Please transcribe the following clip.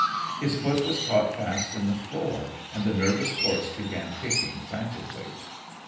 His foot was caught fast in the floor, and the nervous horse began kicking frantically.